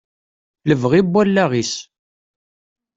Lebɣi n wallaɣ-is.